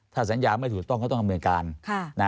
ถ้าสัญญาไม่ถูกต้องก็ต้องทำเหมือนกัน